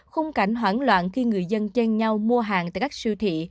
khung cảnh hoảng loạn khi người dân chênh nhau mua hàng tại các siêu thị